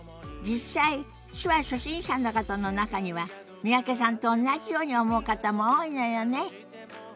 実際手話初心者の方の中には三宅さんと同じように思う方も多いのよね。